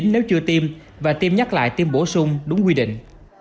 nếu chưa tiêm và tiêm nhắc lại tiêm bổ sung đúng quy định